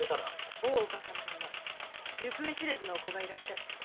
大岡様には行方知らずのお子がいらっしゃるとか。